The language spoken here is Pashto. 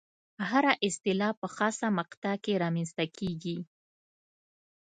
هره اصطلاح په خاصه مقطع کې رامنځته کېږي.